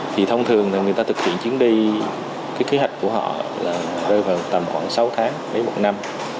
thì thông thường là người ta thực hiện chuyến đi cái kế hoạch của họ là rơi vào tầm khoảng sáu tháng đến một năm